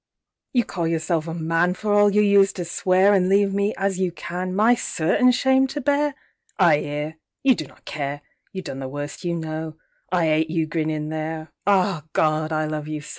YOU call yourself a man, For all you used to swear, An' leave me, as you can, My certain shame to bear?I 'ear! You do not care—You done the worst you know.I 'ate you, grinnin' there….Ah, Gawd, I love you so!